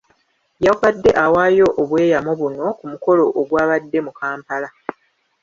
Yabadde awaayo obweyamo buno ku mukolo ogwabadde mu Kampala.